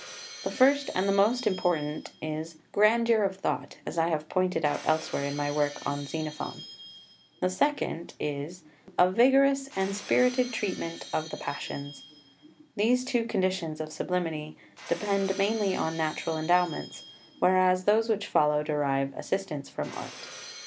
The first and the most important is (1) grandeur of thought, as I have pointed out elsewhere in my work on Xenophon. The second is (2) a vigorous and spirited treatment of the passions. These two conditions of sublimity depend mainly on natural endowments, whereas those which follow derive assistance from Art.